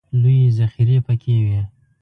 لویې ذخیرې پکې وې.